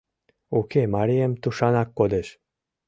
— Уке, марием тушанак кодеш.